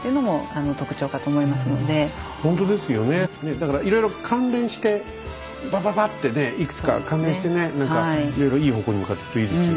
だからいろいろ関連してバババッてねいくつか関連してね何かいろいろいい方向に向かってくといいですよね。